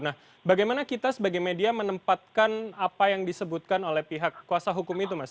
nah bagaimana kita sebagai media menempatkan apa yang disebutkan oleh pihak kuasa hukum itu mas